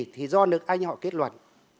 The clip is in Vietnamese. thì do nước anh họ kết luận